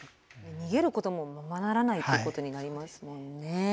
逃げることもままならないってことになりますもんね。